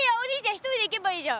一人で行けばいいじゃん。